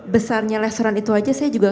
besarnya restoran itu aja saya juga